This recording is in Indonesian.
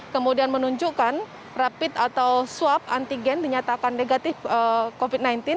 kemudian menunjukkan rapid atau swab antigen dinyatakan negatif covid sembilan belas